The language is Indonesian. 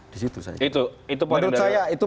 disitu saya itu itu poin anda menurut saya itu